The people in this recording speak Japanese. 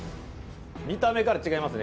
見た目から違いますね。